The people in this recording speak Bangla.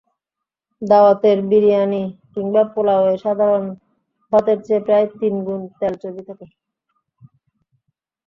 দাওয়াতের বিরিয়ানি কিংবা পোলাওয়ে সাধারণ ভাতের চেয়ে প্রায় তিন গুন তেল-চর্বি থাকে।